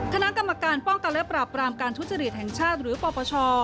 คณะกรรมการป้องกันและปราบรามการทุจริตแห่งชาติหรือปปช